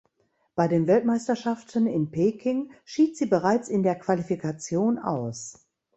Bei den Weltmeisterschaften in Peking schied sie bereits in der Qualifikation aus.